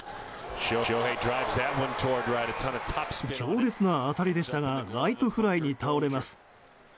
強烈な当たりでしたがライトフライに倒れます。